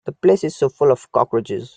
The place is so full of cockroaches.